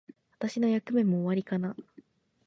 私の役目も終わりかな。